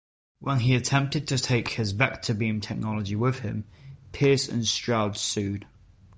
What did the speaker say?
When he attempted to take his "Vectorbeam" technology with him, Pierce and Stroud sued.